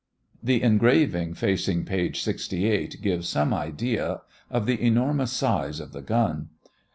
The engraving facing page 68 gives some idea of the enormous size of the gun.